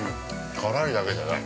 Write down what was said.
辛いだけじゃない。